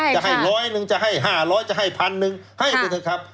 จะให้ร้อยหนึ่งจะให้๕๐๐จะให้พันหนึ่งให้ไปเถอะครับ